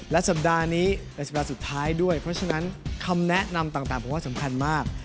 และสัปดาห์นี้เป็นสัปดาห์สุดท้ายด้วยเพราะฉะนั้นคำแนะนำต่างผมว่าสำคัญมาก